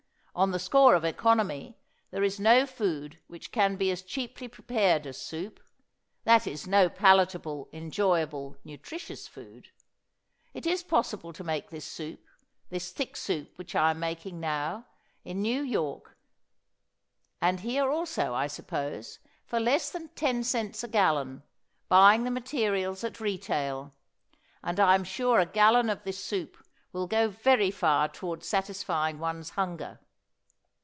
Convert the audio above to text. On the score of economy there is no food which can be as cheaply prepared as soup that is, no palatable, enjoyable, nutritious food. It is possible to make this soup, this thick soup which I am making now, in New York, and here also, I suppose, for less than ten cents a gallon, buying the materials at retail; and I am sure a gallon of this soup will go very far towards satisfying one's hunger.